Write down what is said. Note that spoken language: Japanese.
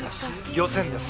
予選です。